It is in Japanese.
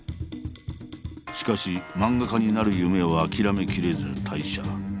しかし漫画家になる夢を諦めきれず退社。